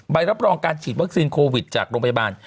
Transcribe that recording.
ใบรับรองการฉีดวัคซีนโควิดจากโรงพยาบาล